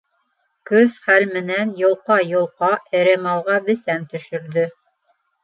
Көс-хәл менән йолҡа-йолҡа эре малға бесән төшөрҙө.